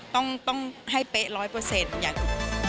ต้องให้เป๊ะร้อยเปอร์เซ็นต์อยากดู